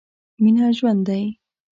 مينه ژوند دی.